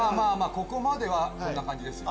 ここまではこんな感じですよ。